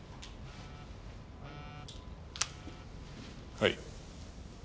はい。